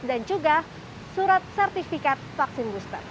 dan juga surat sertifikat vaksin booster